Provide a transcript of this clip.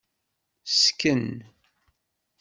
Sken.